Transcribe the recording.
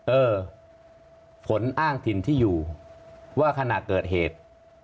เออผลอ้างถิ่นที่อยู่ว่าขณะเกิดเหตุ